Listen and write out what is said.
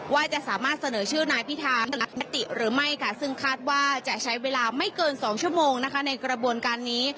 ว่าจะสามารถเสนอชื่อนายพิธาตัดมติหรือไม่ค่ะซึ่งคาดว่าจะใช้เวลาไม่เกิน๒ชั่วโมงนะคะในกระบวนการนี้